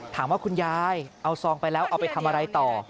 คุณยายเอาซองไปแล้วเอาไปทำอะไรต่อ